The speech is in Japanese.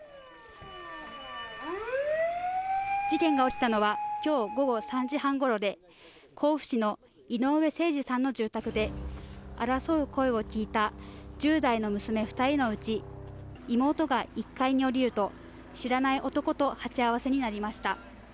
事件が起きたのは今日午後３時半ごろで甲府市の井上盛司さんの住宅で争う声を聞いた１０代の娘２人のうち、妹が１階に降りると知らない男と鉢合わせになりました。